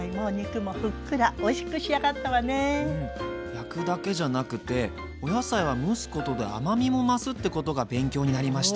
焼くだけじゃなくてお野菜は蒸すことで甘みも増すってことが勉強になりました。